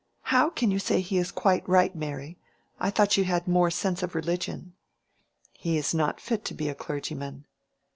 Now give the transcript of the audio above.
"How can you say he is quite right, Mary? I thought you had more sense of religion." "He is not fit to be a clergyman."